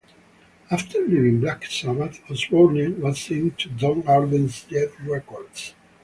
After leaving Black Sabbath, Osbourne was signed to Don Arden's Jet Records.